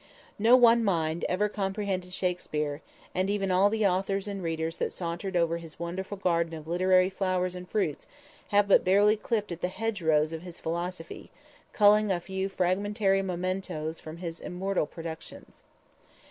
_ No one mind ever comprehended Shakspere, and even all the authors and readers that sauntered over his wonderful garden of literary flowers and fruits have but barely clipped at the hedge rows of his philosophy, culling a few fragmentary mementos from his immortal productions.